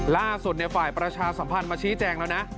ล่าสุดฝ่ายประชาสัมพันธ์มาชี้แจงแล้วนะ